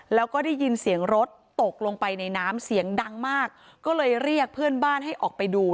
แล้วก็ได้ยินเสียงรถตกลงไปในน้ำเสียงดังมากก็เลยเรียกเพื่อนบ้านให้ออกไปดู